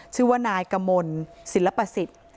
ชื่อว่านายกมลศิลปสิทธิ์